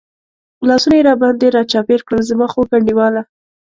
لاسونه یې را باندې را چاپېر کړل، زما خوږ انډیواله.